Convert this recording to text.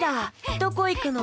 どこいくの？